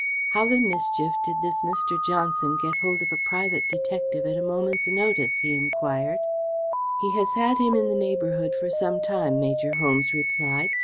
"How the mischief did this Mr. Johnson get hold of a private detective at a moment's notice?" he enquired. "He has had him in the neighbourhood for some time," Major Holmes replied.